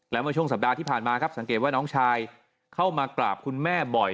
และเมื่อช่วงสัปดาห์ที่ผ่านมาครับสังเกตว่าน้องชายเข้ามากราบคุณแม่บ่อย